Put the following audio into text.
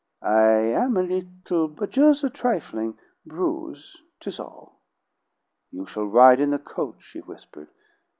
"I am a little but jus' a trifling bruise'; 'tis all." "You shall ride in the coach," she whispered.